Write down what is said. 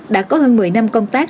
đã có hơn một mươi năm công tác